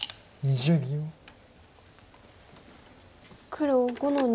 黒５の二。